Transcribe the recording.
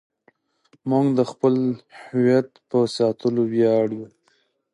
موږ د خپل هویت په ساتلو ویاړو.